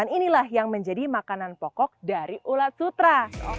tanaman ini lah yang menjadi makanan pokok dari ulat sutra